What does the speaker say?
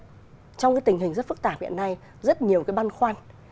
trong cái tình hình rất phức tạp hiện nay rất nhiều cái băn khoăn